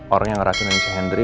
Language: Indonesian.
orang yang meracuni si hendri